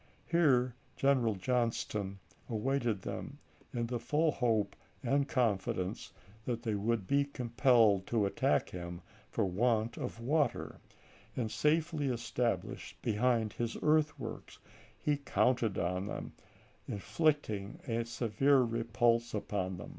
Here General Johnston awaited them in the full hope and confidence that they would be compelled to attack him for want of water, and safely established behind his earthworks, he counted upon inflicting a severe repulse upon them.